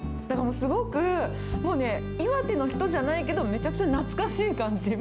だからもうすごく、もうね、岩手の人じゃないけど、めちゃくちゃ懐かしい感じ。